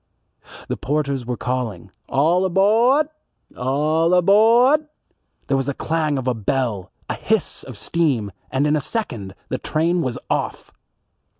The porters were calling, "All abawd! All abawd." There was the clang of a bell, a hiss of steam, and in a second the train was off.